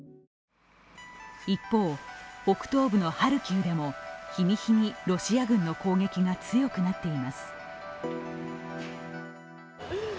一方、北東部のハルキウでも日に日にロシア軍の攻撃が強くなっています。